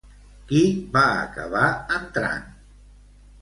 Qui va acabar entrant?